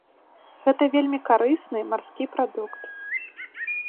Гэта вельмі карысны марскі прадукт.